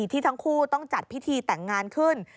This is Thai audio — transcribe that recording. ที่ทั้งคู่ต้องจัดพิธีแต่งงานขึ้น